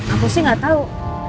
aku sih nggak tahu